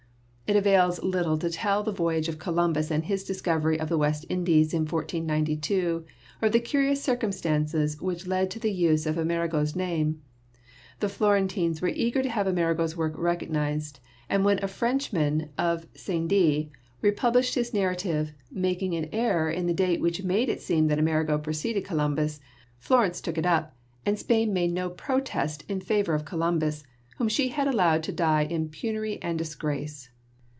It avails little to tell the voyage of Columbus and his discovery of the West Indies in 1492 or of the curious cir cumstances which led to the use of Amerigo's name. The Florentines were eager to have Amerigo's work recognised, and when a Frenchman of St. Die republished his narra tive, making an error in the date which made it seem that Amerigo preceded Columbus, Florence took it up and Spain made no protest in favor of Columbus, whom she THE BEGINNINGS OF CARTOGRAPHY 29 had allowed to die in penury and disgrace.